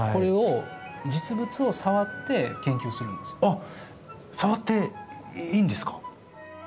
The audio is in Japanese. あっ触っていいんですか？